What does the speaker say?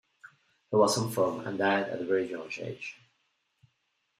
He was infirm and died at a very young age.